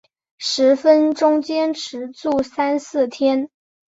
十分坚持住三四天